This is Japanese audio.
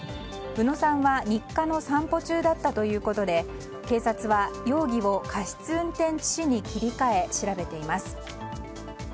宇野さんは日課の散歩中だったということで警察は、容疑を過失運転致死に切り替え調べています。